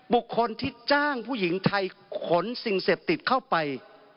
บุคคลที่จ้างผู้หญิงไทยขนสิ่งเสพติดเข้าไป